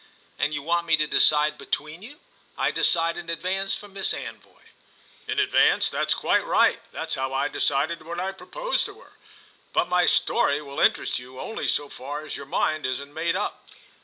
"And you want me to decide between you? I decide in advance for Miss Anvoy." "In advance—that's quite right. That's how I decided when I proposed to her. But my story will interest you only so far as your mind isn't made up."